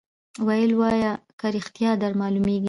ویل وایه که ریشتیا در معلومیږي